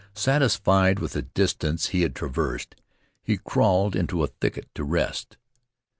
Satisfied with the distance he had traversed, he crawled into a thicket to rest.